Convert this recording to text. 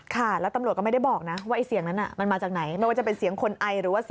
ข้างบนไม่มีใคร